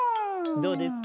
どうですか？